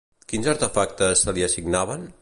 Quins artefactes se li assignaven?